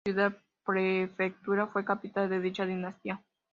Esta ciudad prefectura fue capital de dicha dinastía.